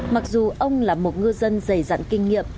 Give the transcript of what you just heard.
mặc dù ông là một ngư dân dày dặn kinh nghiệm